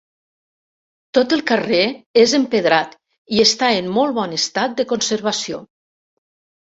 Tot el carrer és empedrat i està en molt bon estat de conservació.